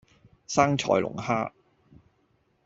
生菜龍蝦